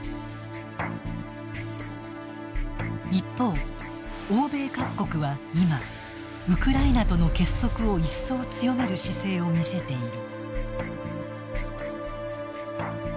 一方、欧米各国は今ウクライナとの結束を一層強める姿勢を見せている。